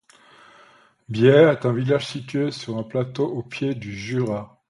Bière est un village situé sur un plateau au pied du Jura.